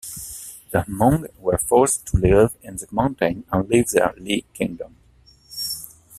The Hmong were forced to live in the mountains and leave their Li kingdom.